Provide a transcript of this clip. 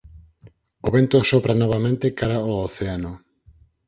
O vento sopra novamente cara ó océano.